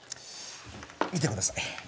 見てください。